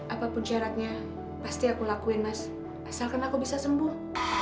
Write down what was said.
apapun syaratnya pasti aku lakuin mas asalkan aku bisa sembuh